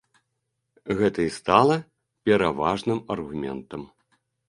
Гэта і стала пераважным аргументам.